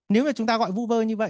nếu mà chúng ta gọi vuber như vậy